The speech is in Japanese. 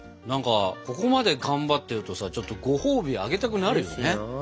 なんかここまでがんばってるとさちょっとごほうびあげたくなるよね。